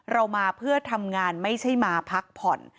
เรามาเพื่อทำงานไม่ใช่มาพักผ่อน